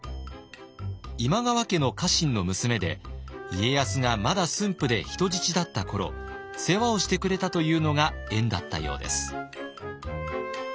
今川家の家臣の娘で家康がまだ駿府で人質だった頃世話をしてくれたというのが縁だったようです。